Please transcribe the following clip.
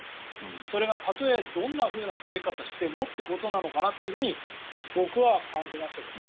それがたとえどんなふうな増え方してもということなんだと僕は感じましたけどね。